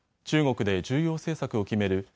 中国で重要政策を決める